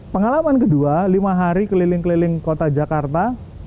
pengalaman kedua lima hari keliling keliling kota jakarta